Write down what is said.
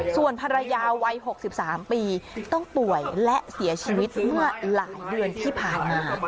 ส่วนภรรยาวัย๖๓ปีต้องป่วยและเสียชีวิตเมื่อหลายเดือนที่ผ่านมา